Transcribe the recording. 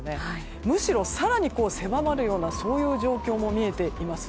むしろ更に狭まるようなそういう状況も見えています。